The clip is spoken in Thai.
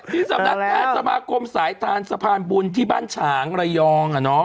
ที่สำนักงานสมาคมสายทานสะพานบุญที่บ้านฉางระยอง